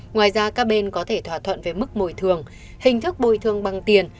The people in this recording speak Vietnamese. ngoài ra các bên có thể thỏa thuận về mức bồi thường hình thức bồi thường bằng tiền